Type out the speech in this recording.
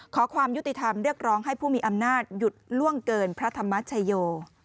ขอความยุติธรรมเรียกร้องให้ผู้มีอำนาจหยุดล่วงเกินพระธรรมชโย